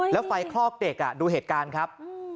แล้วไฟคลอกเด็กดูเหตุการณ์ครับ